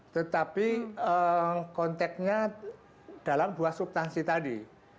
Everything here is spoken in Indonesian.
tetapi konteknya dalam buah subtansi tadi